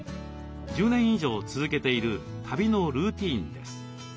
１０年以上続けている旅のルーティーンです。